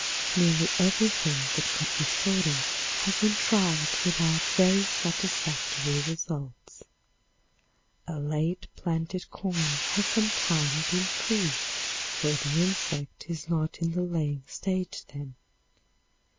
Nearly everything that could be thought of has been tried without very satisfactory results. A late planted corn has sometimes been free, for the insect is not in the laying stage then.